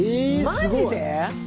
マジで？